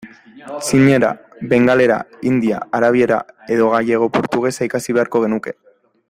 Txinera, bengalera, hindia, arabiera, edo galego-portugesa ikasi beharko genuke.